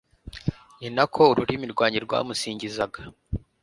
ni na ko ururimi rwanjye rwamusingizaga